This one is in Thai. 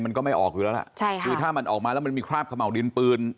มันก็ไม่ออกอยู่แล้วล่ะใช่ค่ะคือถ้ามันออกมาแล้วมันมีคราบขม่าวดินปืน